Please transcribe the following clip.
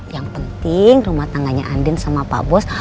yang penting rumah tangganya andin sama pak bos